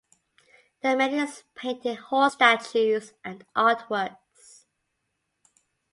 There are many painted horse statues and artworks.